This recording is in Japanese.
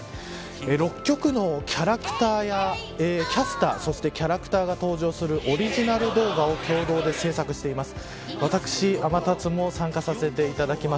６局のキャラクターやキャスターが登場するオリジナル動画を共同で制作しています。